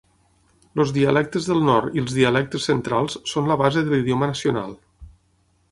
Els dialectes del nord i els dialectes centrals són la base de l'idioma nacional.